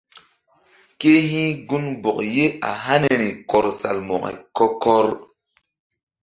Ke hi̧ gunbɔk ye a haniri kɔr Salmo̧ko kɔ-kɔr.